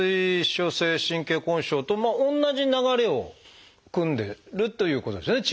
頚椎症性神経根症と同じ流れをくんでるということですよね